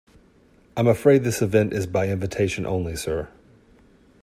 I'm afraid this event is by invitation only, sir.